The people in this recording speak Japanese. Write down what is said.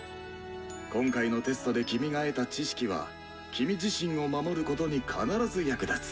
今回のテストで君が得た知識は君自身を守ることに必ず役立つ！